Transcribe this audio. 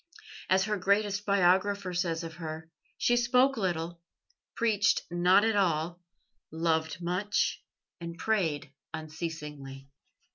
As her greatest biographer says of her: "She spoke little, preached not at all, loved much, and prayed unceasingly."